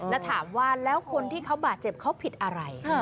แล้วถามว่าแล้วคนที่เขาบาดเจ็บเขาผิดอะไร